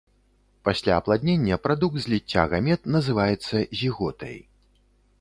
Пасля апладнення, прадукт зліцця гамет, называецца зіготай.